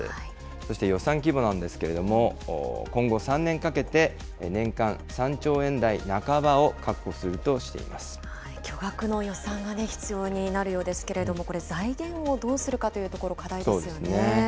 そして予算規模なんですけれども、今後３年かけて、年間３兆円台半巨額の予算が必要になるようですけれども、これ、財源をどうするかというところ、課題ですよ